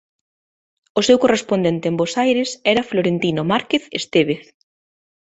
O seu correspondente en Bos Aires era Florentino Márquez Estévez.